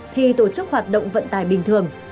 thì tổ chức hoạt động vận tải bình thường